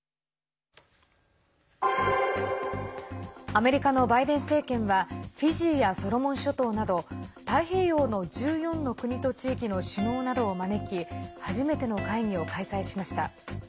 アメリカのバイデン政権はフィジーやソロモン諸島など太平洋の１４の国と地域の首脳などを招き初めての会議を開催しました。